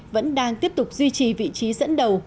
vẫn đang tiếp tục duy trì vị trí dẫn đầu